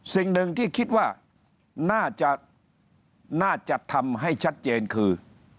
สิ่งหนึ่งที่คิดว่าน่าจะน่าจะทำให้ชัดเจนคือ